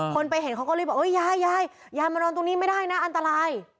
ไปเห็นเขาก็เลยบอกยายยายยายมานอนตรงนี้ไม่ได้นะอันตราย